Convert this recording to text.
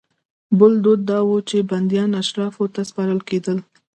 بل دود دا و چې بندیان اشرافو ته سپارل کېدل.